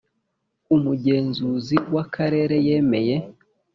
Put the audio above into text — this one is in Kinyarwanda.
Umugenzuzi w Akarere yemeye